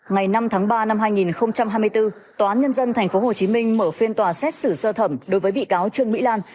ngày năm tháng ba năm hai nghìn hai mươi bốn tòa án nhân dân tp hcm mở phiên tòa xét xử sơ thẩm đối với bị cáo trương mỹ lan